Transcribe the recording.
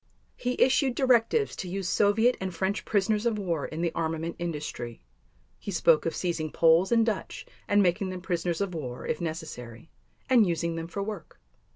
He issued directives to use Soviet and French prisoners of war in the armament industry; he spoke of seizing Poles and Dutch and making them prisoners of war if necessary, and using them for work.